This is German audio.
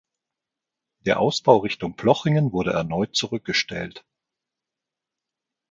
Der Ausbau Richtung Plochingen wurde erneut zurückgestellt.